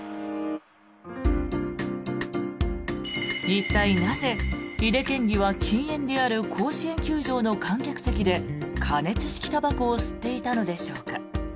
一体なぜ、井手県議は禁煙である甲子園球場の観客席で加熱式たばこを吸っていたのでしょうか。